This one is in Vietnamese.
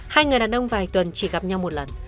hai người đàn ông vài tuần chỉ gặp nhau một lần